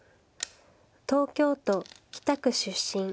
東京都北区出身。